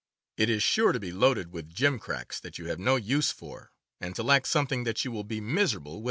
It is sure to be loaded with gimcracks that you have no use for, and to lack something that you will be miserable without.